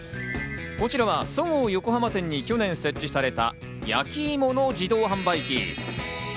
こちらは、そごう横浜店に去年設置された焼きいもの自動販売機。